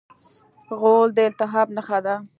غول د التهاب نښه ده.